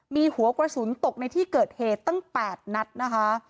มีหัวกระสุนตกในที่เกิดเหตุตั้ง๘นัดนะคะ